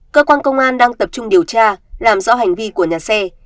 cơ quan công an đang tập trung điều tra làm rõ hành vi của nhà xe